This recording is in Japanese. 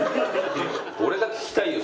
俺が聞きたいよ！